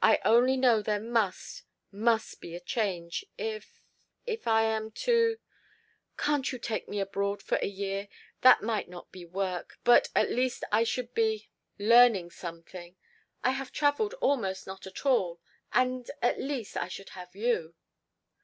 "I only know there must must be a change if if I am to Can't you take me abroad for a year? That might not be work, but at least I should be learning some thing I have traveled almost not at all and, at least, I should have you."